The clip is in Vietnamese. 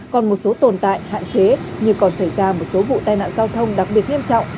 còn một số tồn tại hạn chế như còn xảy ra một số vụ tai nạn giao thông đặc biệt nghiêm trọng